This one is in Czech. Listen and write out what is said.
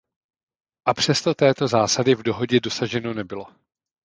A přesto této zásady v dohodě dosaženo nebylo.